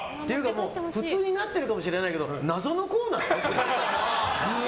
普通になってるかもしれないけど謎のコーナーよ。